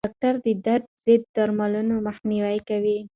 ډاکټران د درد ضد درملو مخنیوی کوي.